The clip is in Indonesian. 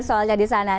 soalnya di sana